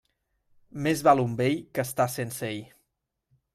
Més val un vell que estar sense ell.